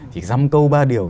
thì dăm câu ba điều